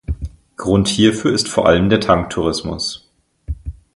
Grund hierfür ist vor allem der Tanktourismus.